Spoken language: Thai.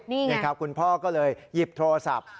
นี่ไงคุณพ่อก็เลยหยิบโทรศัพท์